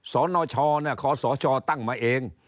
สอนอชอขอสอชอตั้งมาเอง